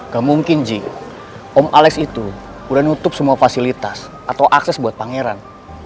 gak mungkin ji om alex itu udah nutup semua fasilitas atau akses buat pangeran